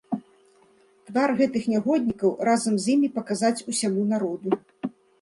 Твар гэтых нягоднікаў разам з імі паказаць усяму народу!